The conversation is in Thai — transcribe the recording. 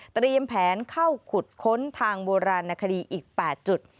แผนเข้าขุดค้นทางโบราณคดีอีก๘จุด